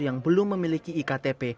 yang belum memiliki iktp